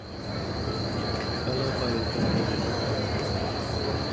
এখনো কয়েকজন নিয়মিত ও অনিয়মিত গাঁজা খায়।